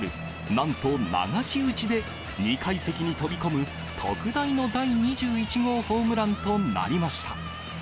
なんと流し打ちで２階席に飛び込む特大の第２１号ホームランとなりました。